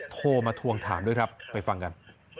โทรมาทวงถามด้วยครับไปฟังกัน